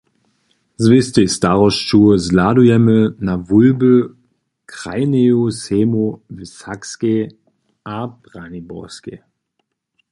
Z wěstej starosću zhladujemy na wólby krajneju sejmow w Sakskej a Braniborskej.